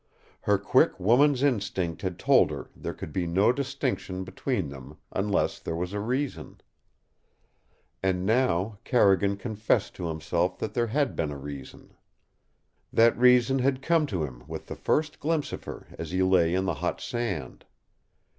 Her quick woman's instinct had told her there could be no distinction between them, unless there was a reason. And now Carrigan confessed to himself that there had been a reason. That reason had come to him with the first glimpse of her as he lay in the hot sand.